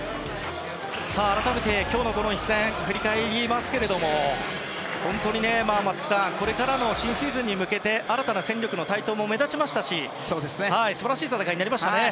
改めて今日の一戦振り返りますけども本当にこれからの新シーズンに向けて新たな戦力の台頭も目立ちましたし素晴らしい戦いになりましたね。